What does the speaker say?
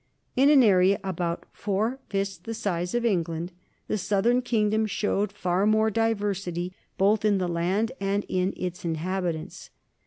In area about four fifths the size of England, the southern kingdom showed far greater diversity, both in the land and in its inhabitants.